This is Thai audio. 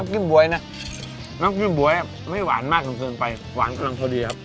จิ้มบ๊วยนะน้ำจิ้มบ๊วยไม่หวานมากจนเกินไปหวานกำลังพอดีครับ